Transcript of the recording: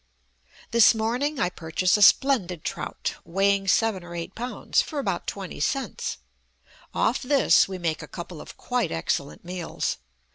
This morning I purchase a splendid trout, weighing seven or eight pounds, for about twenty cents; off this we make a couple of quite excellent meals.